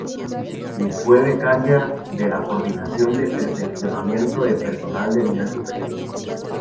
Y fue becaria de la Coordinación de Perfeccionamiento de Personal de Nivel Superior.